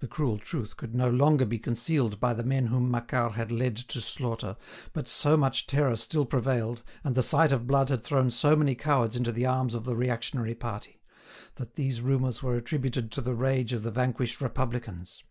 The cruel truth could no longer be concealed by the men whom Macquart had led to slaughter, but so much terror still prevailed, and the sight of blood had thrown so many cowards into the arms of the reactionary party, that these rumours were attributed to the rage of the vanquished Republicans.